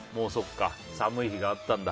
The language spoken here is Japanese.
寒い日があったんだ。